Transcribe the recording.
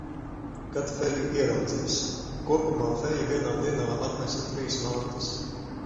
Kad feju ieraudzīs. Kopumā feja vienā dienā atnesa trīs mantas.